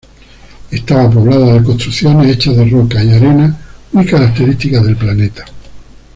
Estaba poblada de construcciones hechas de roca y arena muy características del planeta.